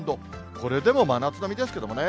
これでも真夏並みですけれどもね。